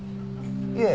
いえ。